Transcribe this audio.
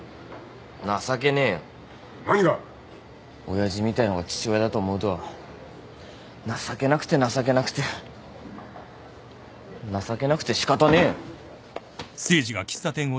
親父みたいのが父親だと思うと情けなくて情けなくて情けなくて仕方ねえよ。